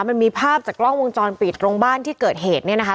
มันมีภาพจากกล้องวงจรปิดตรงบ้านที่เกิดเหตุเนี่ยนะคะ